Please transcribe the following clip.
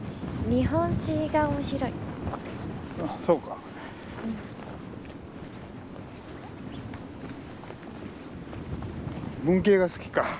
そうか。